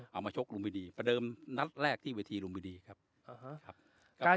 เอามาชกลุงพิธีประเดิมนัดแรกที่เวทีลุมพิธีครับอ่าฮะครับ